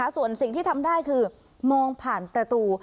ส่วนสิ่งที่ทำได้คือมองผ่านประตู